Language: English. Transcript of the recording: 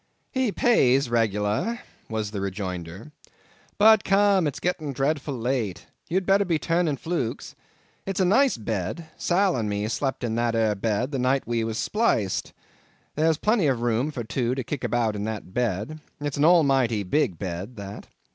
"He pays reg'lar," was the rejoinder. "But come, it's getting dreadful late, you had better be turning flukes—it's a nice bed; Sal and me slept in that ere bed the night we were spliced. There's plenty of room for two to kick about in that bed; it's an almighty big bed that.